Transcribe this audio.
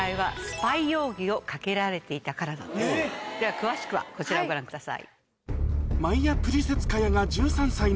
詳しくはこちらをご覧ください。